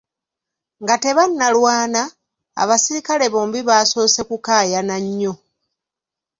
Nga tebannalwana, abasirikale bombi baasoose kukaayana nnyo.